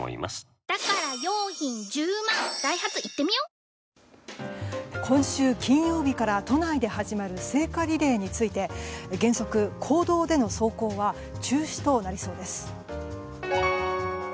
しばらく菅政権は今週金曜日から都内で始まる聖火リレーについて原則、公道での走行は中止となりそうです。